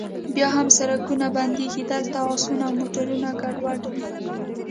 بیا هم سړکونه بندیږي، دلته اسونه او موټرونه ګډوډ و.